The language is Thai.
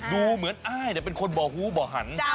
ดูเหมือนอ้ายเป็นคนบ่อฮู้บ่อหัน